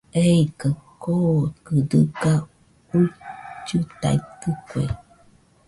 eikaɨ kookɨ dɨga uillɨtaitɨkue.